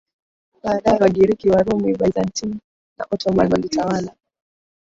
Baadaye Wagiriki Warumi Byzantine na Ottoman walitawala